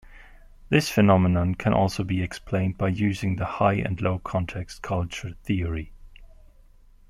This phenomenon can also be explained by using the high- and low-context culture theory.